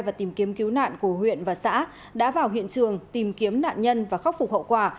và tìm kiếm cứu nạn của huyện và xã đã vào hiện trường tìm kiếm nạn nhân và khắc phục hậu quả